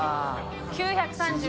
９３５円！